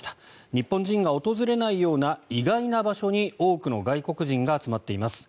日本人が訪れないような意外な場所に多くの外国人が集まっています。